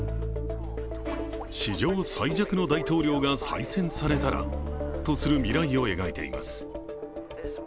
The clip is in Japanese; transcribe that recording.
史上最弱の大統領が再選されたらとする未来を描いています。